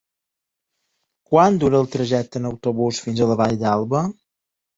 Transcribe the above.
Quant dura el trajecte en autobús fins a la Vall d'Alba?